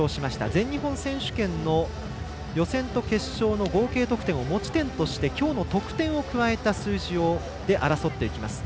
全日本選手権の予選と決勝の合計得点を持ち点としてきょうの得点を加えた数字で争っていきます。